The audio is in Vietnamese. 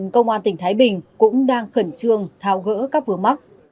công an tỉnh thái bình cũng đang khẩn trương thao gỡ các vừa mắc